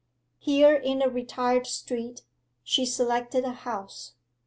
Here, in a retired street, she selected a house.